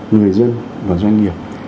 người dân và doanh nghiệp